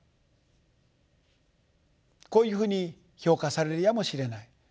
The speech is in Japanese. こういうふうに評価されるやもしれない。